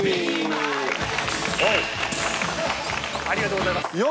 ありがとうございます。